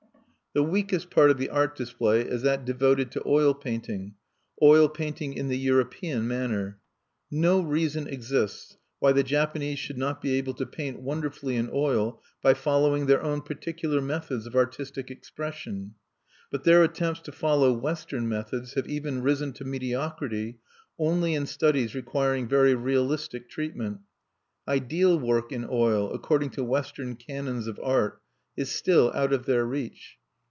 The weakest part of the art display is that devoted to oil painting, oil painting in the European manner. No reason exists why the Japanese should not be able to paint wonderfully in oil by following their own particular methods of artistic expression. But their attempts to follow Western methods have even risen to mediocrity only in studies requiring very realistic treatment. Ideal work in oil, according to Western canons of art, is still out of their reach.